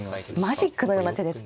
マジックのような手ですね。